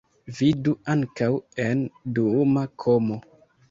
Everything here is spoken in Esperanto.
Vidu ankaŭ en duuma komo.